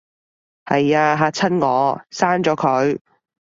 係吖，嚇親我，刪咗佢